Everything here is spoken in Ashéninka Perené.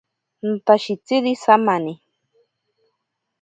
Notashitsiri samani.